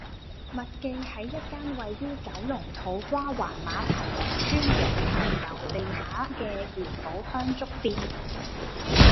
麥記係一間位於九龍土瓜灣馬頭圍邨洋葵樓地下嘅元寶香燭店